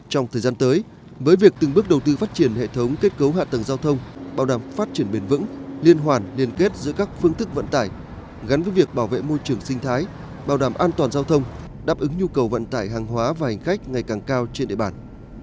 trong thời gian tới với việc từng bước đầu tư phát triển hệ thống kết cấu hạ tầng giao thông bảo đảm phát triển bền vững liên hoàn liên kết giữa các phương thức vận tải gắn với việc bảo vệ môi trường sinh thái bảo đảm an toàn giao thông đáp ứng nhu cầu vận tải hàng hóa và hành khách ngày càng cao trên địa bàn